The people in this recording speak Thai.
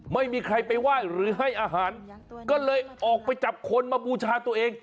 ไม่มีใครไปไหว้หรือให้อาหารก็เลยออกไปจับคนมาบูชาตัวเอง